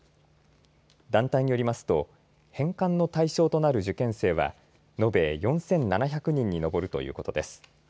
団体によりますと返還の対象となる受験生は延べ４７００人に上るということです。